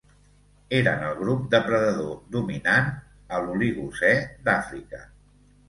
Eren el grup depredador dominant a l'Oligocè d'Àfrica.